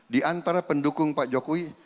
di antara pendukung pak jokowi